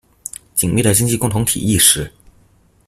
緊密的經濟共同體意識